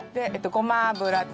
ごま油。